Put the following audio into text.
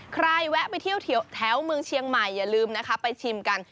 แวะไปเที่ยวแถวเมืองเชียงใหม่อย่าลืมนะคะไปชิมกัน